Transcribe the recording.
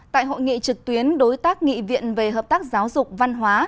tại hội nghị trực tuyến đối tác nghị viện về hợp tác giáo dục văn hóa